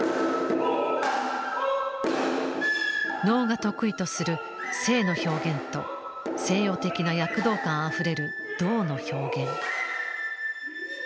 能が得意とする「静」の表現と西洋的な躍動感あふれる「動」の表現。